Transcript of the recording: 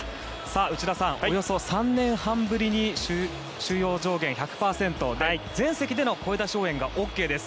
内田さん、およそ３年半ぶりに収容上限１００％全席での声出し応援がＯＫです。